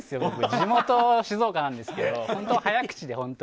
地元、静岡なんですけど本当に早口で。